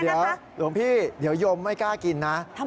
เดี๋ยวหลวงพี่เดี๋ยวยมไม่กล้ากินนะ